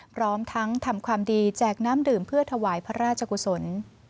พร้อมทั้งทำความดีแจกน้ำดื่มเพื่อถวายพระราชกุศล